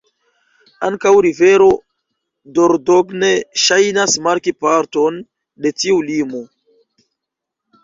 Ankaŭ rivero Dordogne ŝajnas marki parton de tiu limo.